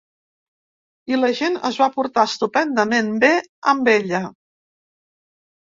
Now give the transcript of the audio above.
I la gent es va portar estupendament bé amb ella.